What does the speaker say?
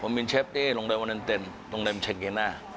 ผมเป็นเชฟในโรงแรมออเล็นเตนโรงแรมเชนเกน่า